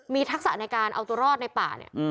มีทักษะในการเอาตัวรอดในป่าเนี่ย